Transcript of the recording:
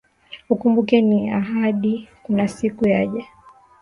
Ukumbuke ni ahadi, kuna siku yaja